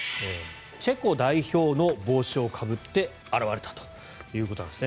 チェコ代表の帽子をかぶって現れたということです。